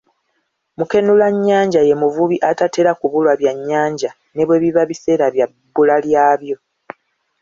Mukenulannyanja ye muvubi atatera kubulwa byannyanja, ne bwe biba biseera bya bbula lyabyo